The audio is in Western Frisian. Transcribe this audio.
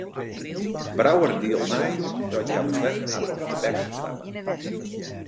Brouwer dielt mei dat hja besletten hat om tebek te stappen.